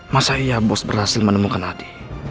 masa iya bos berhasil menemukan hati